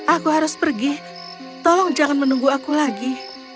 aku harus pergi tolong jangan menunggu aku lagi